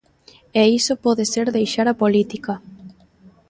E iso pode ser deixar a política.